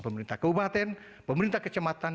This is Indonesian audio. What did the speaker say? pemerintah keubatan pemerintah kecematan